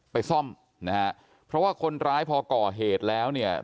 ไปซ่อมนะฮะเพราะว่าคนร้ายพอก่อเหตุแล้วเนี่ย